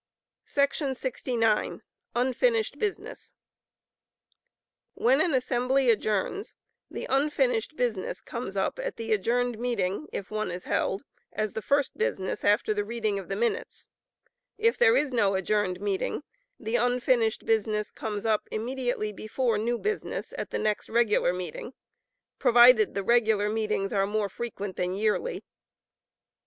69. Unfinished Business. When an assembly adjourns, the unfinished business comes up at the adjourned meeting, if one is held, as the first business after the reading of the minutes; if there is no adjourned meeting, the unfinished business comes up immediately before new business at the next regular meeting, provided the regular meetings are more frequent than yearly.